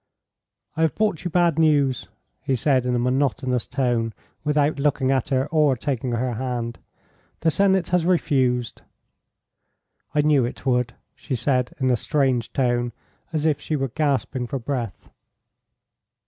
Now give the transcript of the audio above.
"I have brought you bad news," he said, in a monotonous voice, without looking at her or taking her hand. "The Senate has refused." "I knew it would," she said, in a strange tone, as if she were gasping for breath.